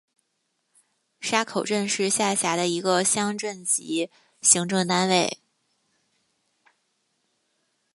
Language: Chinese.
沙口镇是下辖的一个乡镇级行政单位。